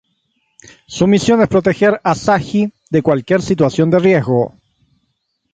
Su misión es proteger Asahi de cualquier situación de riesgo.